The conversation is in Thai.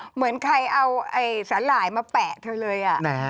เหมือนใครเอาสาหร่ายมาแปะเธอเลย